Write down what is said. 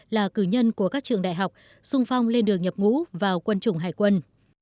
là cử nhân của các trường đại học sung phong lên đường nhập ngũ vào quân chủng hải quân